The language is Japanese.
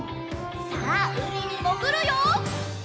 さあうみにもぐるよ！